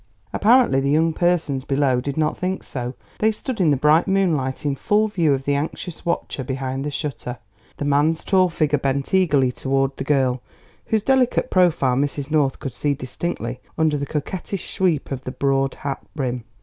Apparently the young persons below did not think so. They stood in the bright moonlight in full view of the anxious watcher behind the shutter, the man's tall figure bent eagerly toward the girl, whose delicate profile Mrs. North could see distinctly under the coquettish sweep of the broad hat brim.